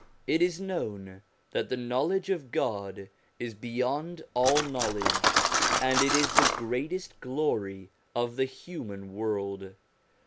It is known that the knowledge of God is beyond all knowledge, and it is the greatest glory of the human world.